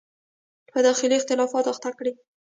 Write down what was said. په داخلي اختلافاتو اخته کړي.